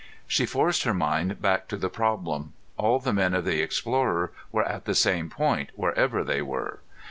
She forced her mind back to the problem. All the men of the Explorer were at the same point, wherever they were.